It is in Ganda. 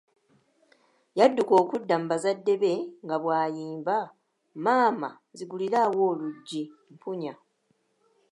Yadduka okudda mu bazzadde be nga bw'ayimba, maama nzigulirawo oluggi, mpunya.